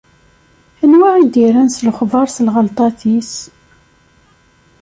Anwa i d-irran s lexber s lɣelṭat-is?